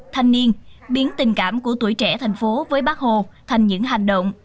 thanh niên biến tình cảm của tuổi trẻ thành phố với bác hồ thành những hành động